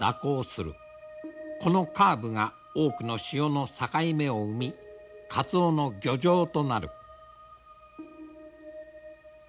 このカーブが多くの潮の境目を生みカツオの漁場となる。